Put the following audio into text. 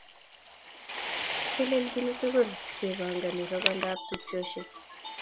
Kitelenchini tugul kepangami rokondab tupcheshek